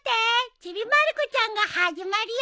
『ちびまる子ちゃん』が始まるよ！